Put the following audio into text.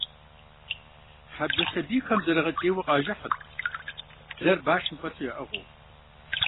Хьэблэ сэбийхэм зэрыгъэкӏийуэ къажыхьырт, блэр башым фӏэлъу яӏыгъыу.